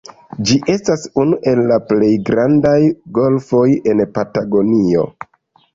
Ĝi estas "unu el plej grandaj golfoj en Patagonio".